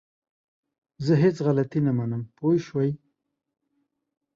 زه هيڅ غلطي نه منم! پوه شوئ!